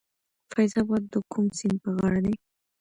فیض اباد د کوم سیند په غاړه دی؟